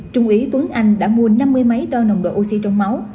trung úy tuấn anh đã mua năm mươi máy đo nồng độ oxy trong máu